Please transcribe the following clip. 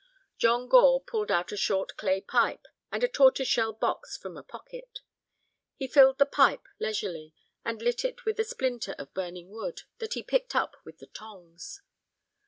John Gore pulled out a short clay pipe and a tortoise shell box from a pocket. He filled the pipe leisurely, and lit it with a splinter of burning wood that he picked up with the tongs.